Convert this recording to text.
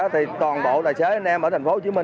thì toàn bộ tài xế anh em ở tp hcm